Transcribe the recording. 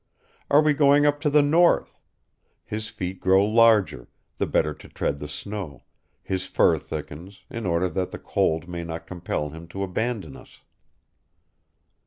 Are we going up to the north? His feet grow larger, the better to tread the snow; his fur thickens, in order that the cold may not compel him to abandon us.